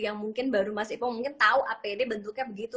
yang mungkin baru mas ipo mungkin tahu apd bentuknya begitu